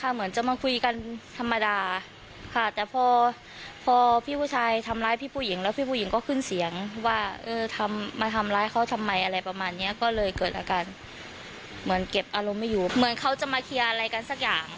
เหมือนเขาจะมาเคลียร์อะไรกันสักอย่าง